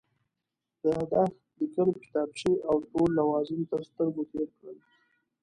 د یادښت لیکلو کتابچې او ټول لوازم تر سترګو تېر کړل.